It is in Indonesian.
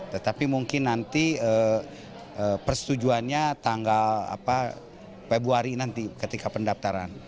tetapi mungkin nanti persetujuannya tanggal februari nanti ketika pendaftaran